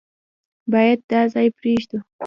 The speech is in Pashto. بايد دا ځای پرېږدو.